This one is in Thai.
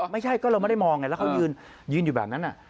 ไม่ใช่ก็เราไม่ได้มองไงแล้วเขายืนอยู่แบบนั้น